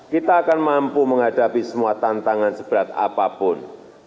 kita akan mampu menghadapi semua tantangan seberat apa pun